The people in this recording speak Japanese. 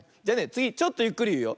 つぎちょっとゆっくりいうよ。